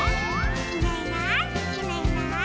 「いないいないいないいない」